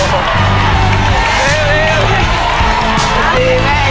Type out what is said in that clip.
เก๋เม่เร็วหน่อย